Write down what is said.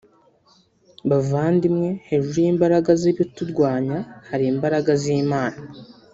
Bavandimwe hejuru y’imbaraga z’ibiturwanya hari imbaraga z’Imana